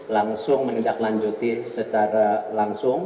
langsung menindaklanjuti secara langsung